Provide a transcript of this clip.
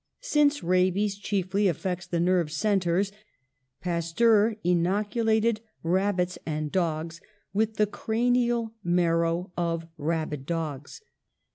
Since rabies chiefly affects the nerve centres, Pasteur inoculated rabbits and dogs with the cranial marrow of rabid dogs.